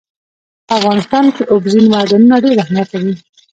په افغانستان کې اوبزین معدنونه ډېر اهمیت لري.